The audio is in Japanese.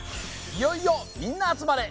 いよいよ「みんな集まれ！